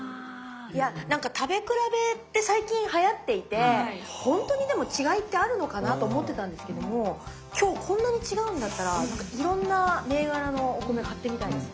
いやなんか食べ比べって最近はやっていてほんとにでも違いってあるのかなと思ってたんですけども今日こんなに違うんだったらいろんな銘柄のお米買ってみたいです。